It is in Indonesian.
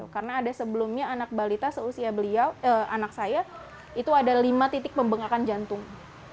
karena ada sebelumnya anak balita seusia beliau anak saya itu ada lima titik pembengkakan jantung